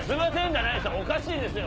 おかしいですよ！